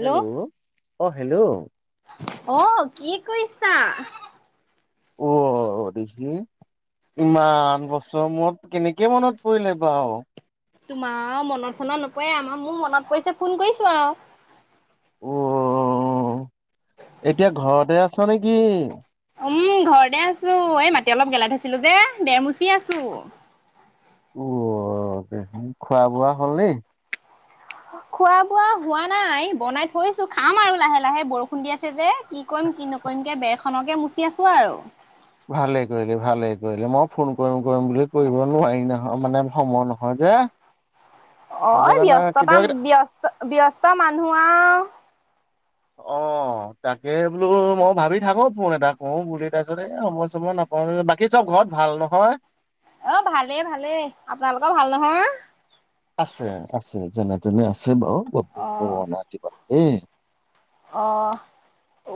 Hello অঁ hello অ কি কৰিছা? অ দেহি ইমান বছৰ মূৰত কেনেকে মনত পৰিলে বাৰু? তোমাৰ মনত চনত নপৰে আমাৰ মোৰ মনত পৰিছে ফোন কৰিছো আৰু। অ এতিয়া ঘৰতে আছ নেকি? উম ঘৰতে আছো এই মাটি অলপ গেলাই থৈছিলো যে বেৰ মচি আছো। অ খোৱা বোৱা হল ন? খোৱা বোৱা হোৱা নাই বনাই থৈছো খাম আৰু লাহে লাহে বৰষুণ দিয়া চে কি কৰিম কি নকৰিম কে বেৰ খনকে মুচি আছো আৰু। ভালে কৰিলে ভালে কৰিলে মই ফোন কৰিম কৰিম বুলি কৰিব নোৱাৰি নহয় মানে সময় নহয় যে। অ সেইটো কাৰণে ব্যস্ততা কেতিয়াবা কেতিয়া ব্যস ব্যস্ত মানুহ আৰু। অ তাকে বোলো মই ভাবি থাকো ফোন এটা কৰোঁ বুলি তাৰপিছত এ সময় চয় নাপাওঁ, বাকী চব ঘৰত ভাল নহয়? অ ভালেই ভালেই আপোনালোকৰ ভাল নহয়? আছে আছে যেনে তেনে আছে বাৰু। [unintelligible] ৰাতিপুৱা। এই অহ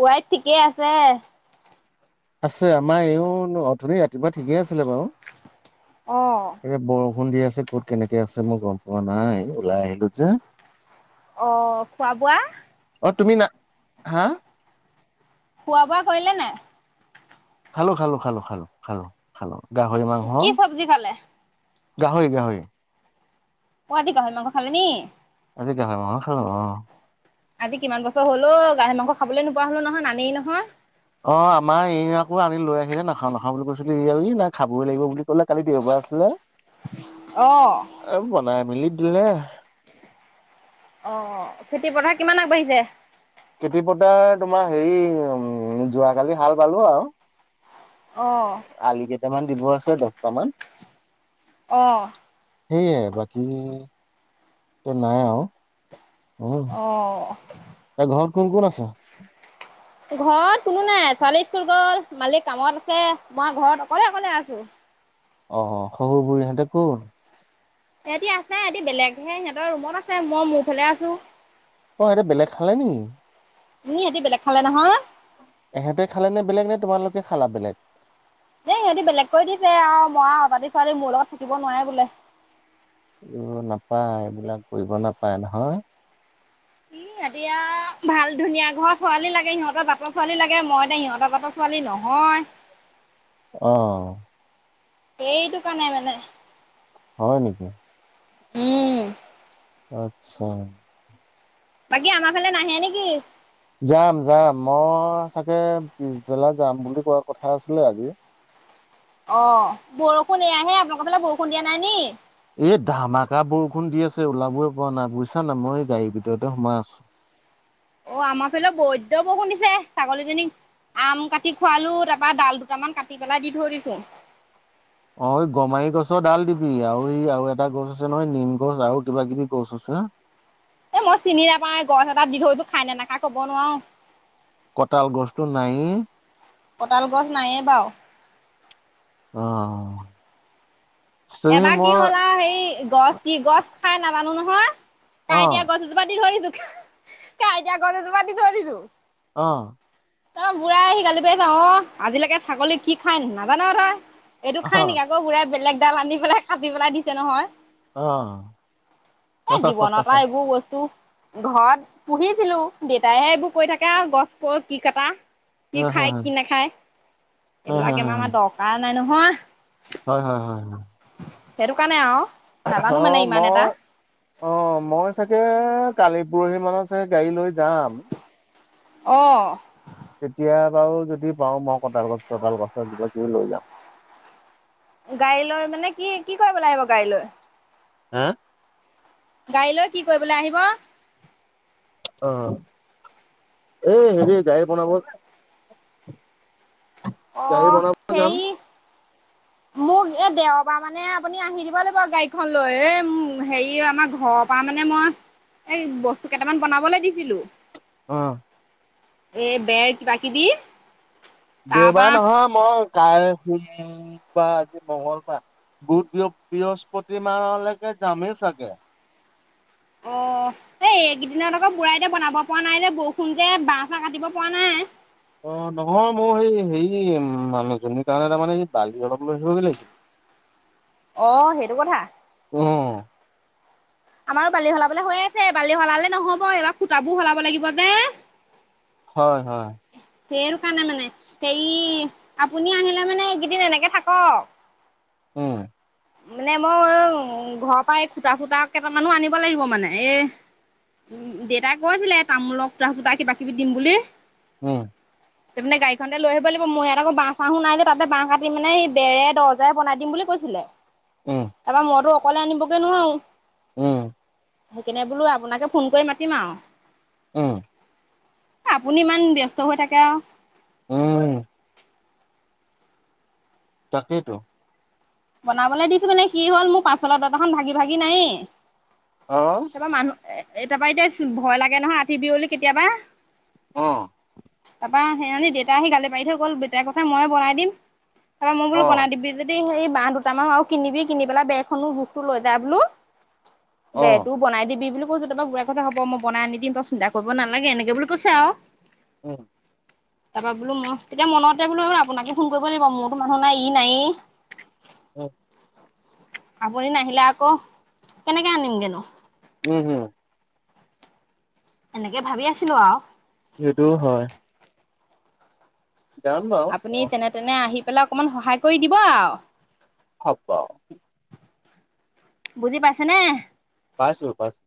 ৱাইফ ঠিকেই আছে? আছে আমাৰ এইও অথনি ৰাতিপুৱা ঠিকেই আছিলে বাৰু। অহ খুধি আছে ক'ত কেনেকে আছে মই গম পোৱা নাই ওলাই আহিলো যে অ খোৱা বোৱা? অ তুমি না হা? খোৱা বোৱা কৰিলে নে নাই? খালো খালো খালো খালো খালো খালো। গাহৰি মাংস কি চব্জি খালে? গাহৰি গাহৰি। পুৱা উঠি গাহৰি মাংস খালে নি? আজি গাহৰি মাংস খালোঁ অ'। আজি কিমান বছৰ হ'ল অ' গাহৰি মাংস খাবলৈ নোপোৱা হ'লো নহয় নানেই নহয়। অ', আমাৰ এই আকৌ আনি লৈ আহিলে নাখাওঁ, নাখাওঁ বুলি কৈছিলোঁ, এই আৰু ই, নাই খাবই লাগিব বুলি কালি দেওবাৰ আছিলে অ এ, বনাই মেলি দিলে অ', খেতি পথাৰ কিমান আগবাঢ়ি [unintelligible] খেতি পথাৰ তোমাৰ হেৰি উম, যোৱাকালি হাল বালো আৰু। অ আলি কেইটামান দিব আছে, দচটা মান। অ'। হেইয়ে বাকী নাই আৰু। [unintelligible] অ এই, ঘৰ কোন, কোন আছে? ঘৰত কোনো নাই, ছোৱালী ইস্কুল গ'ল। মালিক কামত আছে, মই ঘৰত অকলে, অকলে আছোঁ। অ', শহুৰ বুঢ়ীহঁতে ক'ত? এইহেতি আছে, হেতি বেলেগহে সিহঁতৰ ৰুমত আছে, মই মোৰ ফালে আছোঁ। অ', এহেতি বেলেগ খালে নি? নি, সিহঁতি বেলেগ খালে নহয়। এহেঁতে খালেনে বেলেগনে? তোমালোকে খালা বেলেগ? দেই সিহঁতি বেলেগক কৰি দিছে আৰু মই অজাতি ছোৱালী মোৰ লগত থাকিব নোৱাৰে বোলে। উ, নাপায় এইবিলাক কৰিব নাপায়, নহয়। ই, ইহঁতে আৰু ভাল ধুনীয়া ঘৰ ছোৱালী লাগে, সিহঁতৰ জাতৰ ছোৱালী লাগে মই এতিয়া সিহঁতৰ জাতৰ ছোৱালী নহয়। অ'। এইটো কাৰণেই মানে। হয়, নেকি? উম। আতচ্ছা। বাকী আমাৰ ফালে নাহে নেকি? যাম, যাম মই চাগে পিছবেলা যাম বুলি কোৱা কথা আছিলে আজি। অ', বৰষুণ এইয়াহে আপোনালোকৰ ফালে বৰষুণ দিয়া নাই নি? এই ধামাকা বৰষুণ দি আছে, ওলাবই পৰা নাই বুইছা নাই, মই গাড়ীৰ ভিতৰতে সোমাই আছোঁ। অ', আমাৰ ফালে বৈদ্য বৰষুণ দিছে ছাগলীজনীক আম কাটি খোৱালো, তাপা ডাল দুটামান কাটি পেলাই দি থৈ দিছোঁ। অ', গমাৰি গছৰ ডাল দিবি আৰু এই আৰু এটা গছ আছে নহয়, নিম গছ আৰু কিবা কিবি গছ আছে। এ, মই চিনি নাপাওঁ গছ এটা দি থৈছোঁ খাই নে, নাখাই ক'ব নোৱাৰোঁ। কঁতাল গছতটো নাইয়ে। কঁতাল গছ নাইয়ে বাৰু। আহ। এবাৰ কি হ'ল আৰু সেৰি গছ কি গছ খাই নাজানো নহয়। নহয়। অ কাইটিয়া গছজোপা দি থৈ দিছোঁ। কাইটিয়া গছ এজোপা দি থৈ দিছোঁ। আহ। তাৰপা বুঢ়াই আহি গালি পাৰি আছে অ আজিলৈকে ছাগলী কি খাই নাজান তই। এইটো খাই নেকি অ আকৌ বুঢ়াই বেলেগ ডাল আনি পেলাই কাটি পেলাই দিছে নহয়। অ এ জীৱনত আৰু এইবোৰ বস্তু ঘৰত পুহিছিলোঁ দেউতাইহে এইবোৰ কৰি থাকে গছ কটা কি কটা। কি খাই কি নাখায় এইবিলাক আমাৰ আমাৰ দৰকাৰ নাই নহয়। হয় হয় হয় হয়। সেইটো কাৰণে আৰু নাজানো অ মানে ইমান এটা মই অ মই চাগে কালি পৰহি মান চাগে গাড়ী লৈ যাম। আহ। তেতিয়া বাৰু যদি পাও মই কটাল গছ চতাল গছত কিবাকিবি লৈ যাম। গাড়ী লৈ মানে কি কি কৰিব লাগিব গাড়ী লৈ? হে। গাড়ী লৈ কি কৰিবলৈ আহিব? অ এই হেৰি গাই বনাব গাড়ী আহ বনাব যাম সেই মোক এই দেওৰ পৰা মানে আপুনি আহি দিব লাগিব গাড়ীখন লৈ এ হেৰি আমাৰ ঘৰৰ পৰা মানে মই এই বস্তু কেইটামান বনাবলৈ দিছিলো। অ। এ বেৰ কিবাকিবি দেওবাৰে নহয় মই কাই সোমবাৰ আজি মঙ্গলবাৰ বুধ বৃহস্পতিবাৰলৈকে যামেই চাগে। অ এই এইকেইদিনত আকৌ বুঢ়াই এতিয়া বনাব পৰা নাই যে বৰষুণ যে বাঁহ চাহ কাটিব পৰা নাই। অ নহয় মোৰ সেই হেৰি মানুহজনীৰ কাৰণে তাৰমানে বালি অলপ লৈ আহিবগৈ লাগিছিলে। অ সেইটো কথা। উম। আমাৰো বালি সলাবলে হৈ আছে বালি সলালে নহব এইবাৰ খুটাবোৰও সলাব লাগিব যে হয় হয়। সেইৰ কাৰণে মানে হেৰি আপুনি আহিলে মানে এইকেইদিন এনেকে থাকক। উম। মানে মই ঘৰৰ পৰাই এই খুটা চূতা কেইটামানো আনিব লাগিব মানে এই উ দেউতাই কৈ আছিলে তামোলক খুটা চুতা কিবা কিবি দিম বুলি। উম। তাৰ মানে গাড়ীখনতে লৈ আহিব লাগিব মই ইয়াত আকৌ বচ আহো ন যে তাতে বাঁহ কাট মানে বেৰে দৰ্জা বনাই দিম বুলি কৈছিলে। উম তাৰপৰা মোৰো অকলে আনিবগৈ নোৱাৰো! উম। সেইকাৰণনে বোলো আপোনাকে ফোন কৰি মাতিম আৰু উম। আপুনি ইমান ব্যস্ত হৈ থাকে আৰু উম তাকে টো বনাবলৈ দিছো মানে কি হল মোৰ পাচলৰ দৰ্জাখন ভাগি ভাগি নাই আহ। এ তাৰ পৰা এতিয়া ভয় লাগে নহয় ৰাতি বিয়লি কেতিয়াবা। অ'। তাৰাপা সেইী দেউতা আহি গালি পাৰি থৈ গ'ল দেউতাৰ কথা ময়ো বনাই দিম ত মই বোলো অ বনাই দিবি যদি স বাহহ দুটামান আৰু কিনিবি কিনি পেলাই বেগখনো জোখতটো লৈ যা বোলো অ বে তো বনাই দিবি বোলো কৈছো তাৰপৰা বুঢ়াই কৈছে হ'ব মই বনাই আনি‌ দিম তই চিন্তা কৰিব নালাগে এনেকে বুলি কৈছে আৰু উম তাৰপৰা বোলো ম তেতিয়া মনতে বোলো আপোনাকে ফোন কৰিব লাগিব মোৰতো মানুহ নাই ই নায়েই অ', আপুনি নাহিলে আকৌ কেনেকে আনিমগে নো? উম উম এনেকে ভাবি আছিলো আৰু সেইটোও হয়। যাম বাৰু অ আপুনি যেনে তেনে আহি পাৰিলে অকমান সহায় কৰি দিব আৰু হ'ব। বুজি পাইছে নে? পাইছো পাইছো।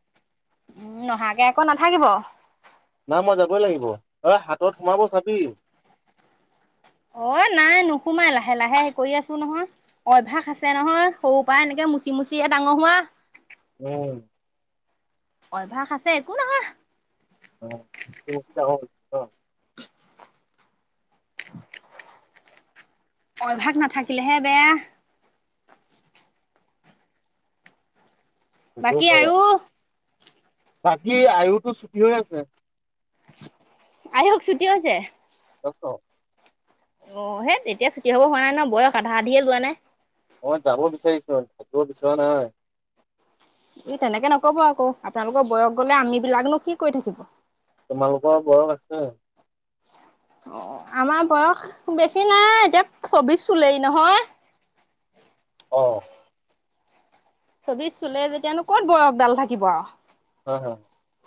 উম নহাকে আকৌ নাথাকিব। না মই যাবই লাগিব অ' হাতত সোমাব চাবি অ' নাই নোসোমাই লাহে লাহে হেৰী কৰি আছো নহয় অভ্যাস আছে নহয় সৰু পৰা এনেকে মুচি মুচি ডাঙৰ হোৱা। উম অভ্যাস আছে একো নহয়। [inaudible] অভ্যস নাথাকিলেহে বেয়া। সেইটো বাকী হয়। আৰু? বাকী আয়ুটো ছুটি হৈ আছে। আয়ুষ ছুটি হৈছে? ডক্টৰ অ' হেই এতিয়া ছুটি হব হোৱা নাই নহয় বয়স আধা আধিয়ে জোৱা নাই। মই যাব বিচাৰিছো থাকিব বিচৰা নাই। আপোনি তেনেকে নকব আকৌ আপোনালোকৰ বয়স গলে আম বিলাকনো কি কৰি থাকিব? তোমালোকৰ বয়স আছে। অ' আমাৰ বয়স বেছি নাই এতিয়া চৌবিশ চুলেই নহয়। অ'। চবিচ চুলে যেতিয়ানো ক'ত বয়স ডাল থাকিব আৰু। [unintelligible]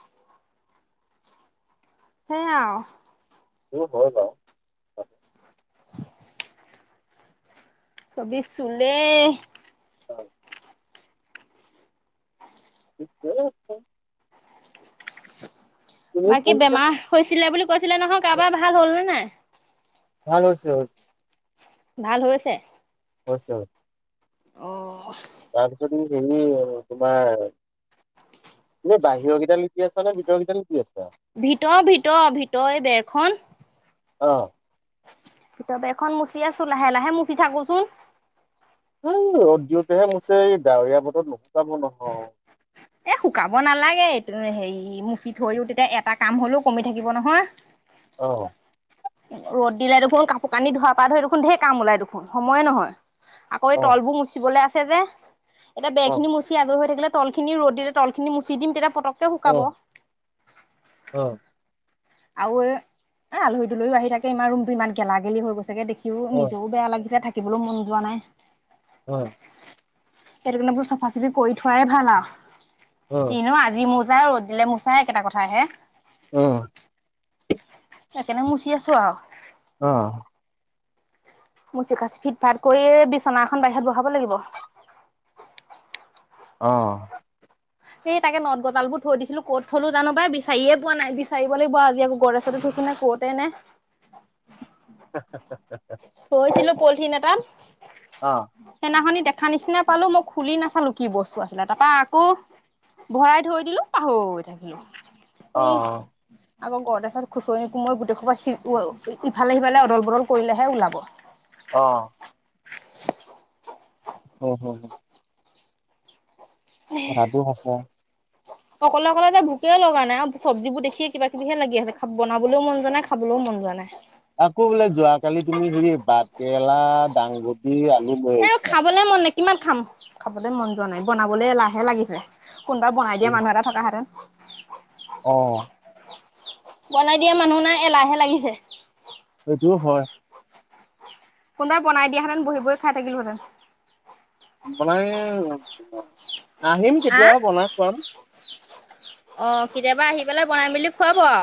সেইয়া [unintelligible] হয়, বাৰু চবিশ চুলেই [unintelligible] ঠিকেই আছে। তুমি বাকী কোনকেইটা বেমাৰ হৈছিলে বুলি? কৈছিলে নহয় কাৰোবাৰ, ভাল হ'ল নে নাই? ভাল হৈছে অ'। ভাল হৈছে? হৈছে। অ'। তাৰপিছত ই হেৰি তোমাৰ [inaudible] তুমি বাহিৰৰ কেইটা লিপি আছে নে ভিতৰৰ কেইটা লিপি আছা? ভিতৰ ভিতৰ ভিতৰ এই অহ। ভিতৰৰ বেৰখন মুচি আছো লাহে লাহে মচি থাকোচোন। এই ৰদ দিওঁতেহে মুছে, ডাৱৰীয়া বতৰত নুশুকব নহয়। এ শুকাব নালাগে এইটো হেৰি মুচি থৈলো তেতিয়া এটা কাম হলেও কমি থাকিব নহয়। অহ। ৰ'দ দিলাই দেখোন কাপোৰ কানি ধোৱাোৱাৰ পা ধৰি দেখোন ঢেৰ কাম ওলাই দেখোন সময়ে নহয়। আকৌ এই অ তলবোৰ মুচিবলৈ আছ চে যে এতিয়া অ বেৰখিনি মচি আজৰি হৈ থাকিলে তলখিনি ৰদ দিল তলখিনি মুচি দিম তেতিয়া পতক অহ হয়। আৰু এ আলহৈ লৈয়ো আহি থাকে। ইমান ৰুমটো ইমান গেলা-গেলি হৈ গৈছেগে দেখি সিও অ নিজও বেয়া লাগিছে থাক বলো মন যোৱা নাই। হয়। হেতোকাৰনে এইবোৰ চাফা-চাফি কৰি থোৱাই ভালা আৰু। তিনিও আজি মোজ পোৰা ৰ'দ দিলে মোচা একেটা কথাহে। উম। সেকাৰনে মুচি আছো আৰু। অ'। মুচি-কাচি ফিট-ফাট কৰি এ বিচনা এখন বাহিৰত বহাব লাগিব। অ'। সেই তাকে নট, গজালবোৰ থৈ দিছিলো। ক'ত থলো জানো পাই বিচাৰিয়ে পোৱা নাই। বিচাৰিব লাগিব আজি আকৌ গডৰেচতে থৈছো নে ক'তেনে থৈছিলো [unintelligible] পলিথিন এটাত অ', সেইদনাখনি দেখ খা নিচিনা পালো, মই খুলি নাচালো কি বস্তু আছিলে। তাৰাপা আকৌ ভৰাই থৈ দিলো, পাহৰি থাকিলো। সেই অ', আকৌ গৰদেছত খুচৰি-কোমৰি গোটেইখোপা [unintelligible] ইফালে-সিফালে অদল-বদল কৰিলেহে ওলাব। অ'। হুম, হুম, হুম, কথাটো সঁচা। অকলে-অকলে যে ভোকে লগা নাই, আৰু চব্জিবোৰ দেখিয়ে কিবা-কিবিহে লাগি আছে। বনাবলৈও মন যোৱা নাই, খাবলৈও মন যোৱা নাই। আকৌ বোলে যোৱাকালি তুমি হেৰি বাটকেৰেলা, দাংগুটি হেইবোৰ [unintelligible] এ আহিছিলা। খাবলে মন নাই কিমান খাম? খাবলৈ মন যোৱা নাই, বনাবলৈ এলাহে লাগিছে। কোনবা বনাই দিয়া মানুহ এটা থকা হেতেন। অ'। বনাই দিয়া মানুহ নাই। এলাহে লাগিছে। সেইটোও হয়। কোনোবাই বনাই দিয়াহেতঁন, বহি-বহি খাই থাকিলোহেঁতেন। বনাই [unintelligible] আহিম আহ কেতিয়াবা বনাই খুৱাম। অ কেতিয়াবা আহি পেলে বনাই মেলি খুৱাব আৰু।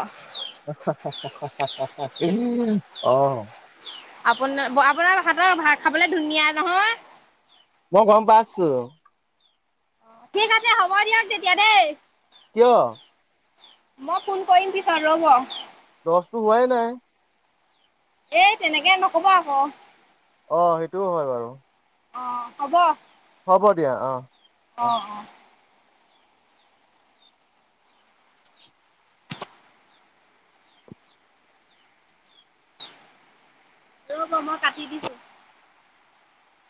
অ আপোনাৰ আপোনাৰ হাতৰ ভাত খাবলে ধুনীয়া নহয়। মই গম পাইছো। ঠিক আছে হ'ব দিয়ক তেতিয়া দেই। কিয়। মই ফোন কৰিম পিছত ৰ'ব। বস্তু হোৱাই নাই। এ তেনেকে নকব আকৌ। অ সেইটোও হয় বাৰু। অ হ'ব হ'ব দিয়া অ। অ অ [unintelligible] ৰব মই কাটি দিছো।